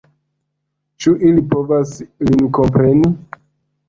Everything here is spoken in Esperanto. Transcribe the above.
Ĉu ili povas lin kompreni?